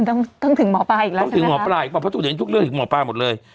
ต้องต้องถึงหมอปลาอีกแล้วใช่ไหมฮะเพราะตรงในทุกเรื่องถึงหมอปลาหมดเลย